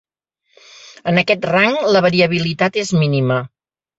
En aquest rang la variabilitat és mínima.